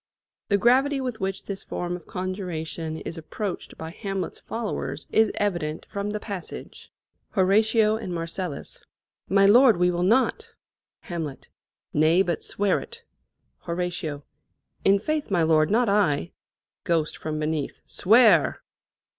The gravity with which this form of conjuration is approached by Hamlet's followers is evident from the passage: "Hor. }} My lord, we will not. Mar. } Hamlet. Nay, but swear it. Hor. In faith, my lord, not I. Ghost. (beneath). Swear!